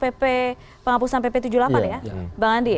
penghapusan pp tujuh puluh delapan ya